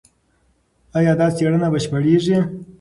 ایا دا څېړنه بشپړېږي؟